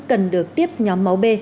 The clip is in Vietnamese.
cần được tiếp nhóm máu b